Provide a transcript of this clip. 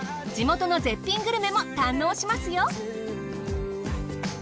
地元の絶品グルメも堪能しますよ。